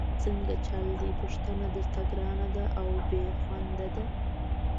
څنګه چل دی، پوښتنه درته ګرانه او بېخونده ده؟!